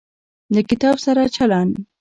له کتاب سره چلند